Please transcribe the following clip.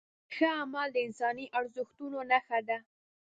ښه عمل د انساني ارزښتونو نښه ده.